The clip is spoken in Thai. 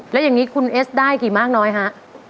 แล้วอย่างนี้คุณเอสได้กี่มากน้อยฮะ